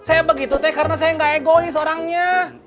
saya begitu teh karena saya gak egois orangnya